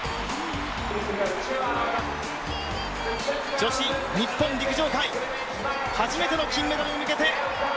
女子日本陸上界初めての金メダルに向けて。